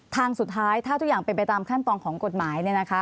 ทางสุดท้ายถ้าทุกอย่างเป็นไปตามขั้นตอนของกฎหมาย